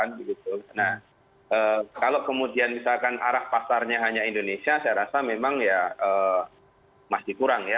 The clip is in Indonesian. nah kalau kemudian misalkan arah pasarnya hanya indonesia saya rasa memang ya masih kurang ya